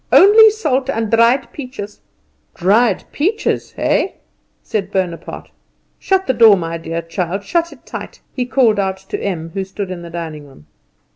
"Only salt, and dried peaches." "Dried peaches! Eh?" said Bonaparte. "Shut the door, my dear child, shut it tight," he called out to Em, who stood in the dining room.